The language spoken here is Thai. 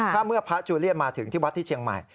ถ้าเมื่อพระจูเลียนมาถึงที่วัดที่เชียงใหม่